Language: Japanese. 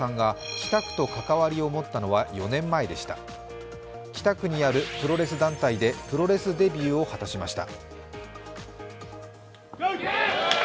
北区にあるプロレス団体でプロレスデビューを果たしました。